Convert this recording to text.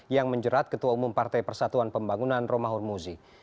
yang menjerat ketua umum partai persatuan pembangunan romahur muzi